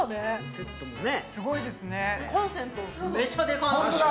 セットもね。